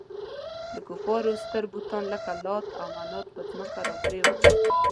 د کفارو ستر بتان لکه لات او منات پر ځمکه را پرېوتل.